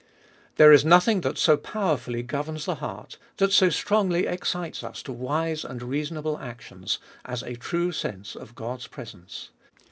There is nothing that so powerfully governs the heart, that so strongly excites us to wise and reason able actions, as a true sense of God's presence.